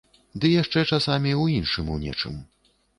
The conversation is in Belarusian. Ды яшчэ часамі ў іншым у нечым.